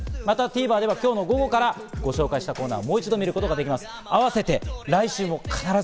またＴＶｅｒでは本日午後から放送したコーナーをもう一度、見ることができます。